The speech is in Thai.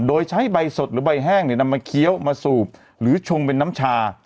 โดยใช้ใบสดหรือใบแห้งนำมาเคี้ยวมาสูบหรือชงเป็นน้ำชา